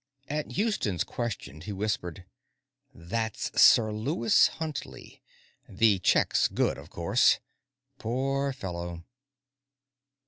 At Houston's question, he whispered: "That's Sir Lewis Huntley. The check's good, of course. Poor fellow."